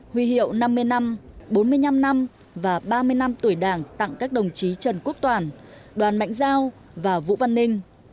huy hiệu năm mươi năm bốn mươi năm năm và ba mươi năm tuổi đảng tặng các đồng chí trần quốc toàn đoàn mạnh giao và vũ văn ninh